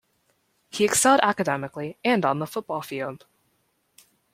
He excelled academically and on the football field.